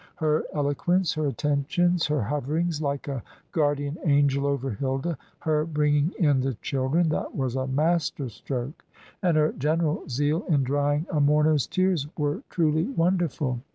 Her eloquence, her attentions, her hoverings like a guardian angel over Hilda, her bringing in the children that was a master stroke and her general zeal in drying a mourner's tears, were truly wonderful.